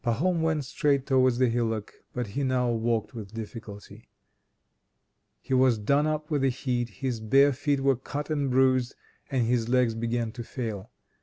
IX Pahom went straight towards the hillock, but he now walked with difficulty. He was done up with the heat, his bare feet were cut and bruised, and his legs began to fail.